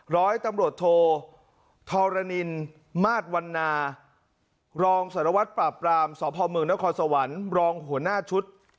ร้อยตำรวจโทธรณินมาตรวันนารองสารวัตรปราบรามสพเมืองนครสวรรค์รองหัวหน้าชุด